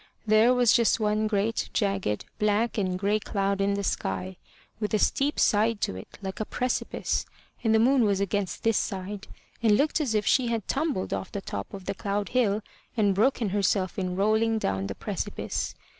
There was just one great, jagged, black and gray cloud in the sky, with a steep side to it like a precipice; and the moon was against this side, and looked as if she had tumbled off the top of the cloud hill, and broken herself in rolling down the precipice.